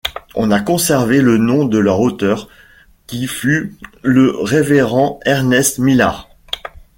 On a conservé le nom de leur auteur, qui fut le révérend Ernest Millar.